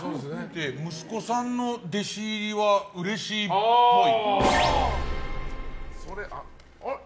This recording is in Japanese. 息子さんの弟子入りはうれしいっぽい。